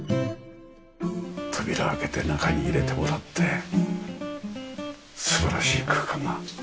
扉開けて中に入れてもらって素晴らしい空間が。